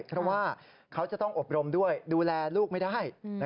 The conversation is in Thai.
เพราะว่าเขาจะต้องอบรมด้วยดูแลลูกไม่ได้